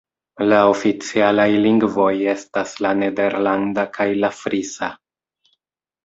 La oficialaj lingvoj estas la nederlanda kaj la frisa.